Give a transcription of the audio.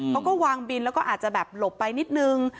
เขาก็วางบินแล้วก็อาจจะแบบหลบไปนิดนึง